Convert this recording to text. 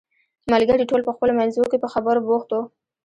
ملګري ټول په خپلو منځو کې په خبرو بوخت وو.